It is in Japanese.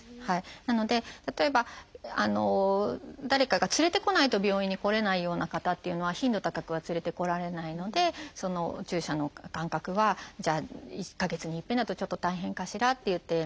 なので例えば誰かが連れてこないと病院に来れないような方っていうのは頻度高くは連れてこられないのでお注射の間隔はじゃあ１か月に一遍だとちょっと大変かしらっていって選んだりとか。